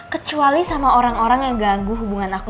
kecuali sama orang orang yang ganggu hubungan aku